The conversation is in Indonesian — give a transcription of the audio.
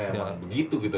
emang begitu gitu